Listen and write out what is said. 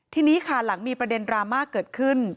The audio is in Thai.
ทีนี้ค่ะหลังมีประเด็นดราม่าเกิดขึ้น